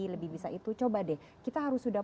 lebih bisa itu coba deh kita harus sudah